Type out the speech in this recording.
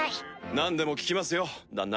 何でも聞きますよ旦那。